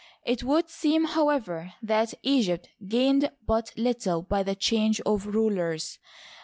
. It would seem, however, that Egypt gained but little by the change of rulers.